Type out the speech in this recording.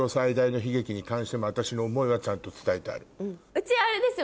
うちあれですよ。